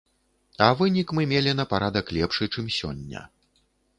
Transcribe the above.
А вынік мы мелі на парадак лепшы, чым сёння.